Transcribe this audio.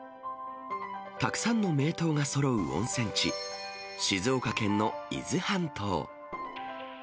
たくさんの名湯がそろう温泉地、静岡県の伊豆半島。